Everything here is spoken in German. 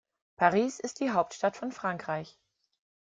Paris ist die Hauptstadt von Frankreich.